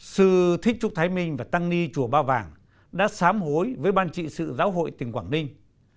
sư thích trúc thái minh và tăng ni chùa ba vàng đã sám hối với ban trị sự giáo hội tỉnh quảng ninh